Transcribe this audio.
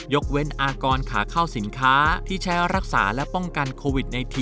กเว้นอากรขาเข้าสินค้าที่ใช้รักษาและป้องกันโควิด๑๙